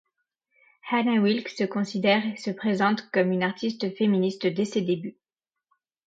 Hannah Wilke se considère et se présente comme une artiste féministe dès ses débuts.